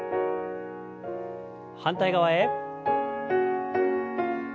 反対側へ。